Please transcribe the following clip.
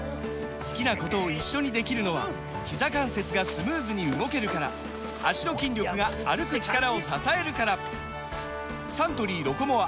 好きなことを一緒にできるのはひざ関節がスムーズに動けるから脚の筋力が歩く力を支えるからサントリー「ロコモア」！